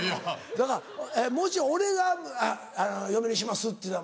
だからもし俺が「嫁にします」って言ったら？